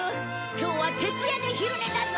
今日は徹夜で昼寝だぞ！